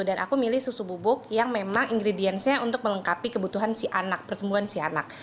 dan aku milih susu bubuk yang memang ingredients nya untuk melengkapi kebutuhan si anak pertumbuhan si anak